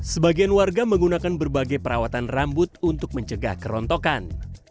sebagian warga menggunakan berbagai perawatan rambut untuk mencegah kerontokan